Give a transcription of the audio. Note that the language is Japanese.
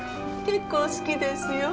結構好きですよ。